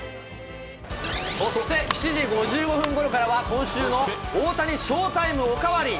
そして７時５５分ごろからは今週の大谷ショータイムおかわり。